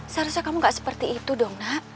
seharusnya kamu gak seperti itu dong nak